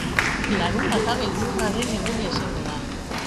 Larunbata beldurraren eguna izango da.